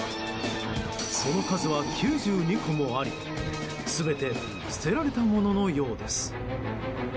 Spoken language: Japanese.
その数は９２個もあり全て捨てられたもののようです。